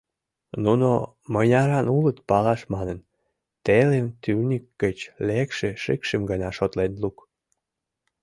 Нуно мынярын улыт палаш манын, телым тӱньык гыч лекше шикшым гына шотлен лук.